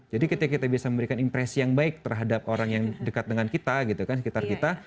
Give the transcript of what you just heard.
ketika kita bisa memberikan impresi yang baik terhadap orang yang dekat dengan kita gitu kan sekitar kita